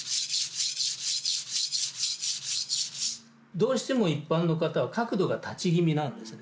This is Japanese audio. どうしても一般の方は角度が立ち気味なんですね。